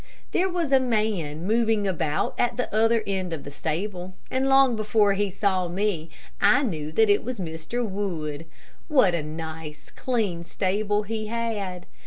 There was a man moving about at the other end of the stable, and long before he saw me, I knew that it was Mr. Wood. What a nice, clean stable he had!